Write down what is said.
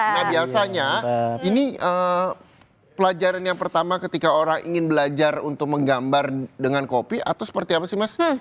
nah biasanya ini pelajaran yang pertama ketika orang ingin belajar untuk menggambar dengan kopi atau seperti apa sih mas